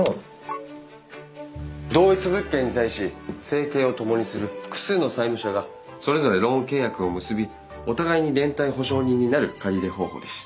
同一物件に対し生計を共にする複数の債務者がそれぞれローン契約を結びお互いに連帯保証人になる借り入れ方法です。